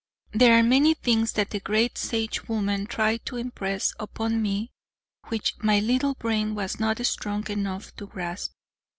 There are many things that the great Sagewoman tried to impress upon me which my little brain was not strong enough to grasp.